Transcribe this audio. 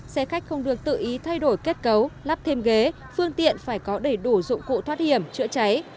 xe khách không được tự ý thay đổi kết cấu lắp thêm ghế phương tiện phải có đầy đủ dụng cụ thoát hiểm chữa cháy